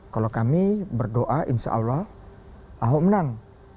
kalau kami berdoa insya allah ahok menang